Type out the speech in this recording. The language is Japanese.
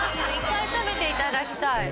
１回食べていただきたい